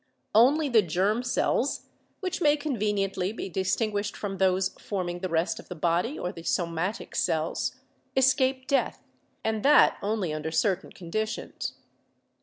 Only the germ cells (which may conveniently be distin guished from those forming the rest of the body or the somatic cells) escape death, and that only under certain conditions.